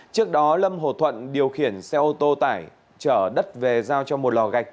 trước đó lâm hồ thuận điều khiển xe ô tô tải trở đất về giao cho một lò gạch